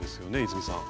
泉さん。